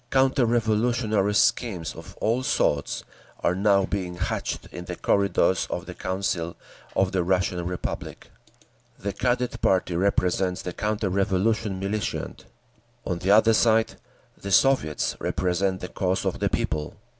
Counter revolutionary schemes of all sorts are now being hatched in the corridors of the Council of the Russian Republic. The Cadet party represents the counter revolution militant. On the other side, the Soviets represent the cause of the people.